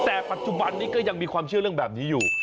แต่ปัจจุบันนี้ก็ยังมีความเชื่อเรื่องแบบนี้อยู่